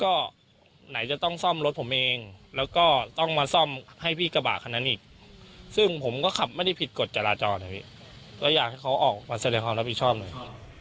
ก็ไหนจะต้องซ่อมรถผมเองแล้วก็ต้องมาซ่อมให้พี่กระบะคันนั้นอีกซึ่งผมก็ขับไม่ได้ผิดกฎจราจรนะพี่ก็อยากให้เขาออกมาแสดงความรับผิดชอบหน่อย